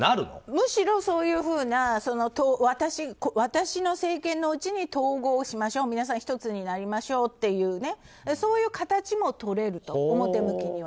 むしろ、そういうふうな私の政権のうちに統合しましょう、皆さん１つになりましょうというそういう形もとれると表向きには。